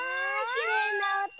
きれいなおと！